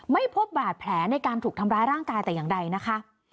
ไม่พบบาดแผลในการถูกทำร้ายร่างกายแต่อย่างใดนะคะ